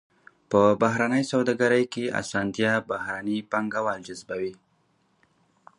په بهرنۍ سوداګرۍ کې اسانتیا بهرني پانګوال جذبوي.